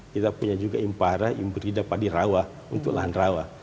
kita punya juga impari imbrida padi rawah untuk lahan rawah